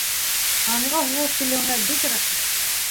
Һанға һуғып килеүеңә бик рәхмәт.